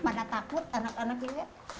pada takut anak anak juga